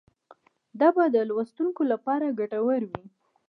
دا به د لوستونکو لپاره ګټور وي.